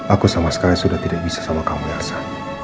aku sama sekali sudah tidak bisa sama kamu biasa